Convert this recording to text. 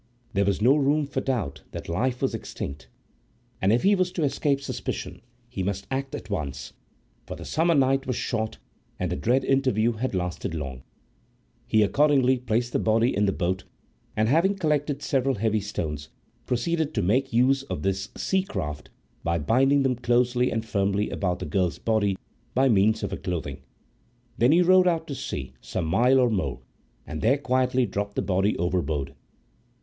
There was no room for doubt that life was extinct; and if he was to escape suspicion, he must act at once, for the summer night was short and the dread interview had lasted long. He accordingly placed the body in the boat, and, having collected several heavy stones, proceeded to make use of his seacraft by binding them closely and firmly about the poor girl's body by means of her clothing. Then he rowed out to sea, some mile or more, and there quietly dropped the body overboard.